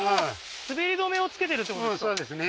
滑り止めをつけてるってことですか？